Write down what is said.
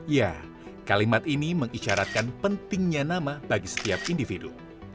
ya kalimat ini mengisyaratkan pentingnya nama bagi setiap individu